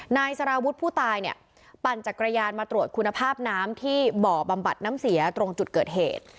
นายสารวุฒิผู้ตายเนี่ยปั่นจักรยานมาตรวจคุณภาพน้ำที่บ่อบำบัดน้ำเสียตรงจุดเกิดเหตุ